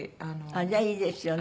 じゃあいいですよね。